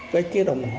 cái chiếc đồng hồ